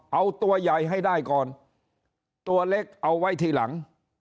เอาตัวใหญ่ให้ได้ก่อนตัวเล็กเอาไว้ทีหลัง